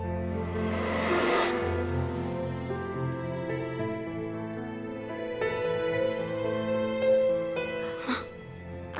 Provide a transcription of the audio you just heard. kalau kamu fantasy sedang diturunkan aku juga sudah menjaga itu